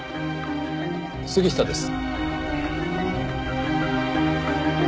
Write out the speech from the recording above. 杉下です。